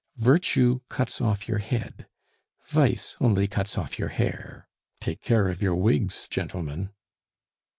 Virtue cuts off your head; vice only cuts off your hair. Take care of your wigs, gentlemen!"